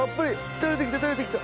垂れてきた垂れてきた！